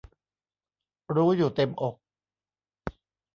รู้อยู่เต็มอก